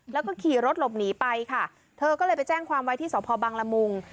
แล้วก็ขี่รถหลบหนีไปค่ะเธอก็เลยไปแจ้งความไว้ที่สพบังละมุง